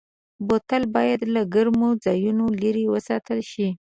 بوتل باید له ګرمو ځایونو لېرې وساتل شي.